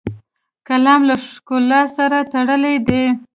قلم له ښکلا سره تړلی دی